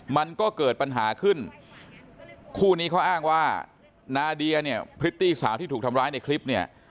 มันก็เกิดปัญหาขึ้นคู่นี้เขาอ้างว่านาเดียเนี่ยพริตตี้สาวที่ถูกทำร้ายในคลิปเนี่ย